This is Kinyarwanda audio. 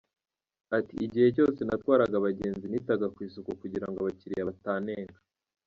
Ati “Igihe cyose natwaraga abagenzi nitaga ku isuku kugira ngo abakiriya batanenga.